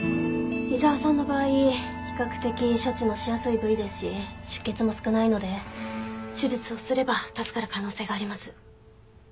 伊沢さんの場合比較的処置のしやすい部位ですし出血も少ないので手術をすれば助かる可能性があります。